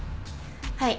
はい。